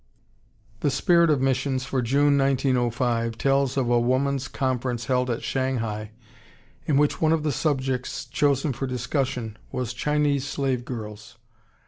] The Spirit of Missions for June, 1905, tells of a woman's conference held at Shanghai at which one of the subjects chosen for discussion was "Chinese Slave Girls."